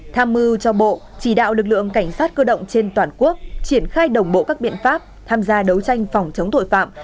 tham mưu cho bộ chỉ đạo lực lượng cảnh sát cơ động trên toàn quốc triển khai đồng bộ các biện pháp tham gia đấu tranh phòng chống tội phạm